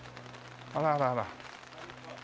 あらあらあら。